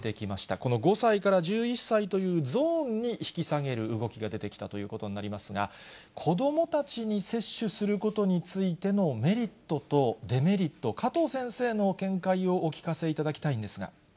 この５歳から１１歳というゾーンに引き下げる動きが出てきたということになりますが、子どもたちに接種することについてのメリットとデメリット、加藤先生の見解をお聞かせいただきたいんですが。